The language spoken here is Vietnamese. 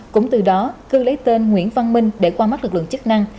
cũng từ đó cương lấy tên nguyễn văn minh để qua mắt lực lượng chức năng